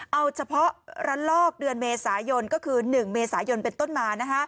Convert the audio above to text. เอาเฉพาะระลอกเดือนเมษายนก็คือ๑เมษายนเป็นต้นมา